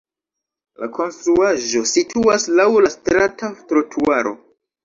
La konstruaĵo situas laŭ la strata trotuaro.